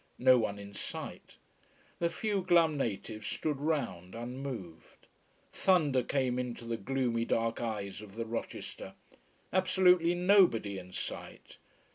No one in sight. The few glum natives stood round unmoved. Thunder came into the gloomy dark eyes of the Rochester. Absolutely nobody in sight.